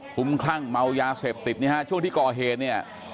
คุ้มคลั่งเมายาเสพติดนี่ฮะช่วงที่ก่อเหตุเนี่ย